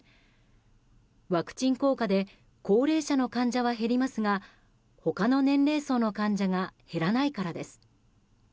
ワクチン効果で高齢者の患者は減りますが他の年齢層の患者が減らないからです。